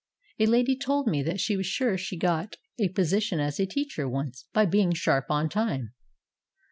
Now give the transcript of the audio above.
A lady told me that she was sure she got a REDEEMING THE TIME. 47 position as a teacher once by being sharp on time.